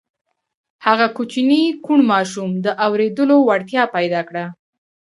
هغه کوچني کوڼ ماشوم د اورېدو وړتيا پيدا کړه.